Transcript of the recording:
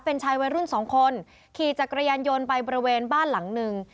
เป็นชายวัยรุ่นสองคนขี่จักรยานยนต์ไปบริเวณบ้านหลังหนึ่ง